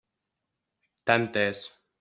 Tant és.